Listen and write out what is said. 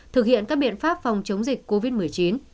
thực hiện các biện pháp phòng chống dịch covid một mươi chín